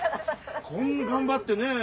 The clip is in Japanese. こんな頑張ってね